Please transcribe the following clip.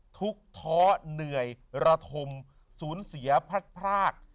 ๑ทุกข์เทาะเหนื่อยระธมศูนย์เสียพราค